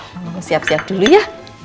mama mau siap siap dulu ya